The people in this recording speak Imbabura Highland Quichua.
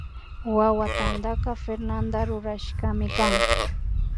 Wawa tantaka Fernada rurashkami kan